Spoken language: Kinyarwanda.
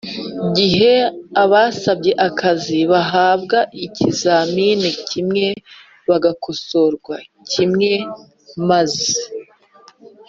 gihe abasabye akazi bahabwa ikizamini kimwe bagakosorwa kimwe maze